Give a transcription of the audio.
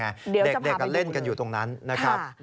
เด็กเล่นกันอยู่ตรงนั้นนะครับ